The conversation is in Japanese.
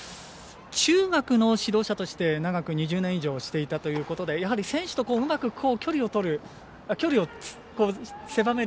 中学の指導者として長く２０年以上していたということでやはり、選手とうまく距離を狭める。